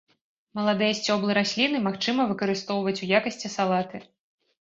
Маладыя сцёблы расліны магчыма выкарыстоўваць у якасці салаты.